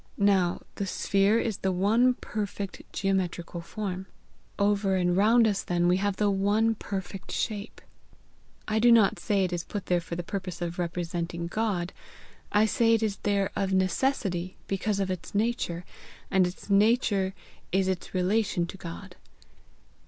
Now the sphere is the one perfect geometrical form. Over and round us then we have the one perfect shape. I do not say it is put there for the purpose of representing God; I say it is there of necessity, because of its nature, and its nature is its relation to God.